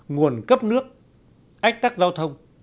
nguồn cấp nước ách tắc giao thông